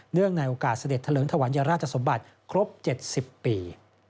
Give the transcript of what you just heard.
เนื่องในโอกาสเสด็จทะเลิงถวัญราชสมบัติครบ๗๐ปี